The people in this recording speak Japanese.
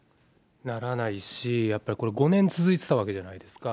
ならないし、やっぱりこれ、５年続いてたわけじゃないですか。